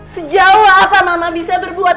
sejauh apa mama bisa berbuat